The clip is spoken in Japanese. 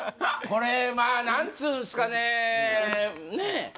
これまあなんつうんすかねねえ